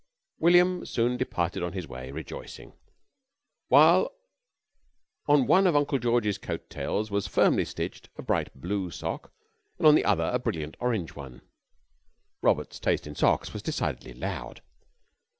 William soon departed on his way rejoicing, while on to one of Uncle George's coat tails was firmly stitched a bright blue sock and on to the other a brilliant orange one. Robert's taste in socks was decidedly loud.